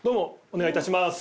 お願い致します。